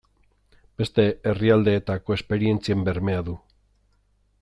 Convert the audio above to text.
Beste herrialdeetako esperientzien bermea du.